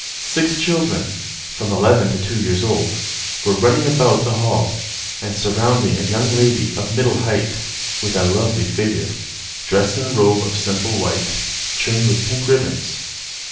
Six children, from eleven to two years old, were running about the hall, and surrounding a lady of middle height, with a lovely figure, dressed in a robe of simple white, trimmed with pink ribbons.